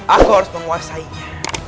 aku harus menguasainya